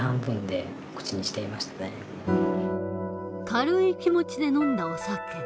軽い気持ちで飲んだお酒。